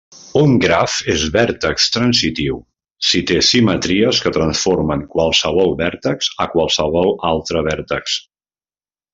Un graf és vèrtex-transitiu si té simetries que transformen qualsevol vèrtex a qualsevol altre vèrtex.